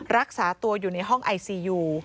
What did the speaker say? รักษาตัวอยู่ในห้องไอซียู